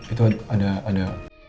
itu ada ada